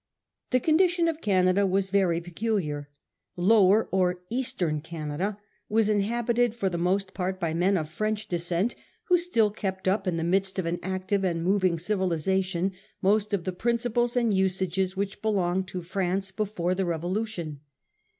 The condition of Canada was very peculiar. Lower or Eastern Canada was inhabited for the most part by men of French descent, who still kept up in the midst of an active and moving civilisation most of the principles and usages which belonged to France before the Revolution.